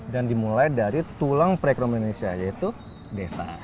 dan dimulai dari tulang perekonomian indonesia yaitu desa